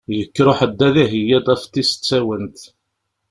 Yekker uḥeddad iheyya-d afḍis d tawent.